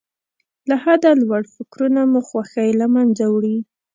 له حده لوړ فکرونه مو خوښۍ له منځه وړي.